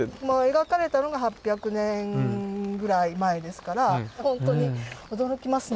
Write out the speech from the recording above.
描かれたのが８００年ぐらい前ですから本当に驚きますね